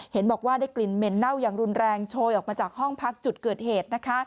เห็นบอกว่าได้กลิ่นเหม็นเน่าอย่างรุนแรงโชยออกมาจากห้องพักจุดเกิดเหตุนะคะ